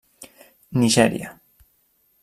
Nigèria.